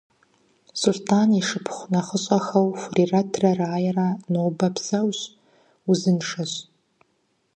Сулътӏан и шыпхъу нэхъыщӏэхэу Хурирэтрэ Раерэ нобэ псэущ, узыншэхэщ.